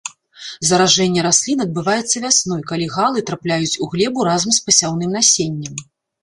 Заражэнне раслін адбываецца вясной, калі галы трапляюць у глебу разам з пасяўным насеннем.